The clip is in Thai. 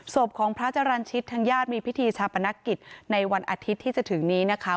ศพของพระจรรย์ชิตทางญาติมีพิธีชาปนกิจในวันอาทิตย์ที่จะถึงนี้นะคะ